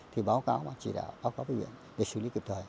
thì báo cáo ban chỉ đạo báo cáo với huyện để xử lý kịp thời